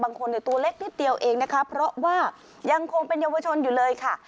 ตัวเล็กนิดเดียวเองนะคะเพราะว่ายังคงเป็นเยาวชนอยู่เลยค่ะ